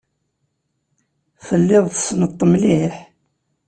Telliḍ tessneḍ-t mliḥ?